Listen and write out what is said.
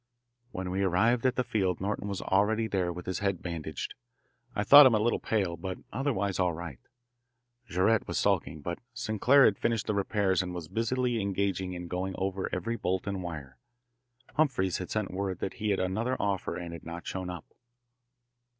When we arrived at the field Norton was already there with his head bandaged. I thought him a little pale, but otherwise all right. Jaurette was sulking, but Sinclair had finished the repairs and was busily engaged in going over every bolt and wire. Humphreys had sent word that he had another offer and had not shown up.